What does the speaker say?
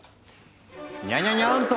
にゃにゃにゃんと！